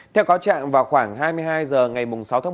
theo cáo trạng vào khoảng hai mươi hai h ngày sáu tháng